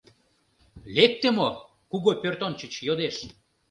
— Лекте мо? — куго пӧртӧнчыч йодеш.